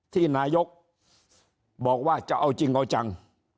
ที่นายกบอกว่าจะเอาจริงเอาจัง